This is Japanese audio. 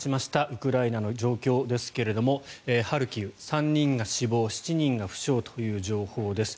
ウクライナの状況ですけれどもハルキウ、３人が死亡７人が負傷という情報です。